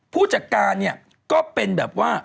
ผู้จัดการเนี่ยก็เป็นแบบว่า